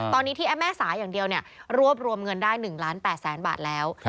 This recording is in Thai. ตอนนี้ที่แม่สายอย่างเดียวรวบรวมเงินได้๑ล้าน๘แสนบาทแล้ว